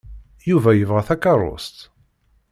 Yuba yebɣa takeṛṛust?